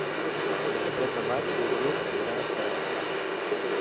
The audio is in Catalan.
El vint-i-tres de maig en Lluc anirà a Estaràs.